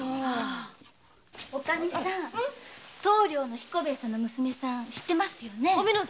おカミさん棟梁の彦兵衛さんの娘さん知ってますよね？